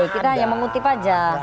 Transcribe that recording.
kita yang mengutip aja